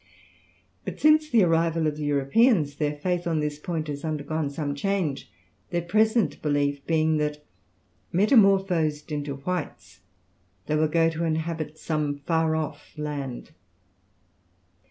But since the arrival of the Europeans their faith on this point has undergone some change, their present belief being, that metamorphosed into whites they will go to inhabit some far off land.